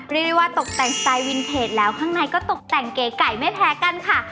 เรียกได้ว่าตกแต่งสไตล์วินเพจแล้วข้างในก็ตกแต่งเก๋ไก่ไม่แพ้กันค่ะ